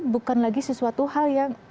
bukan lagi sesuatu hal yang